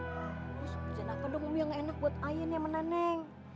mpok sukses apa dong umi yang enak buat ayah nih sama neneng